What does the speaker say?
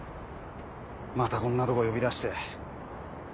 またこんなとこ呼び出して。